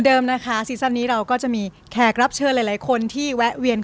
ทุ่มเทการรักษาทุกเวลาด้วยหัวใจ